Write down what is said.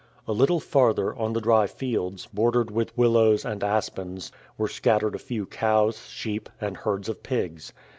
A little farther, on the dry fields, bordered with willows, and aspens, were scattered a few cows, sheep, and herds of pigs.